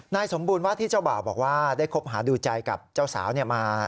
สมบูรณ์ว่าที่เจ้าบ่าวบอกว่าได้คบหาดูใจกับเจ้าสาวมา